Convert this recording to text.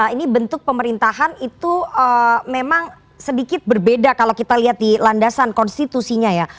ini bentuk pemerintahan itu memang sedikit berbeda kalau kita lihat di landasan konstitusinya ya